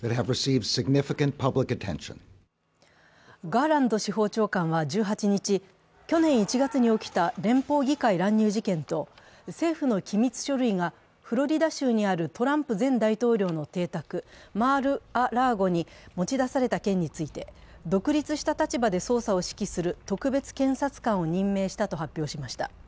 ガーランド司法長官は１８日、去年１月に起きた連邦議会乱入事件と政府の機密書類がフロリダ州にあるトランプ前大統領の邸宅、マール・ア・ラーゴに持ち出された件について、独立した立場で捜査を指揮する特別検察官を任命したと発表しました。